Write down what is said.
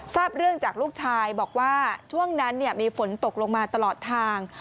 ทราบเรื่องจากลูกชายบอกว่าช่วงนั้นมีฝนตกลงมาตลอดทาง